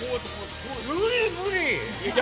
無理無理！